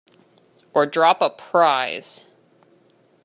Or drop a prize.